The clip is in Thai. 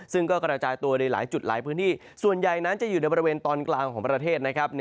ซึ่งก็กระจายตัวในหลายจุดหลายพื้นที่ส่วนใหญ่นั้นจะอยู่ในบริเวณตอนกลางของประเทศนะครับ